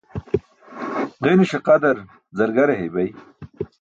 Ġeniṣe qadar zargare heybay.